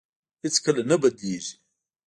هېڅ کله نه بدلېږي.